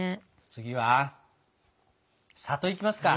次は「里」いきますか？